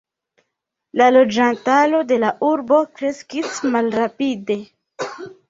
La loĝantaro de la urbo kreskis malrapide.